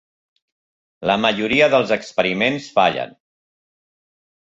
La majoria dels experiments fallen.